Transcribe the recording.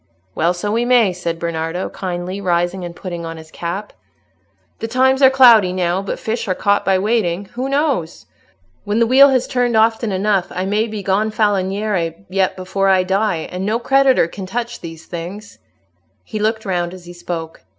"Well, so we may," said Bernardo, kindly, rising and putting on his cap. "The times are cloudy now, but fish are caught by waiting. Who knows? When the wheel has turned often enough, I may be Gonfaloniere yet before I die; and no creditor can touch these things." He looked round as he spoke.